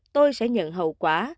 tôi sẽ nhận hậu quả